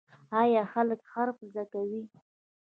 آیا خلک حرفه زده کوي؟